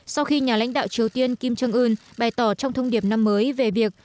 sau khi nhà lãnh đạo triều tiên kim jong un bày tỏ trong thông điệp năm mới về việc